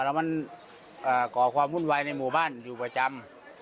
แล้วมันก่อความวุ่นวายในหมู่บ้านอยู่ประจำ